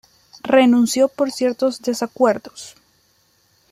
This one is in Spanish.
Renunció por ciertos desacuerdos.